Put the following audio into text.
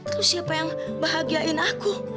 terus siapa yang bahagiain aku